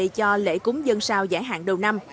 cho lễ cúng dân sao giải hạn đầu năm